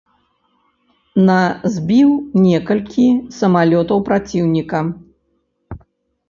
На збіў некалькі самалётаў праціўніка.